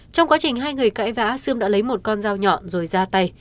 trong quá trình hai người cãi vã sươm đã lấy một con dao nhọn rồi ra tay